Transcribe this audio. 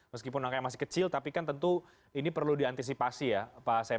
meskipun angka yang masih kecil tapi kan tentu ini perlu diantisipasi ya pak asep